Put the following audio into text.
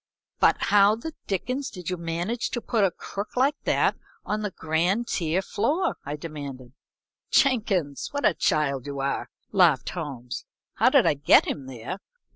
"But how the dickens did you manage to put a crook like that on the grand tier floor?" I demanded. "Jenkins, what a child you are!" laughed Holmes. "How did I get him there?